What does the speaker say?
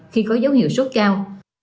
khi có dấu hiệu sốt cao